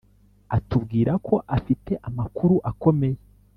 atubwirako afite amakuru akomeye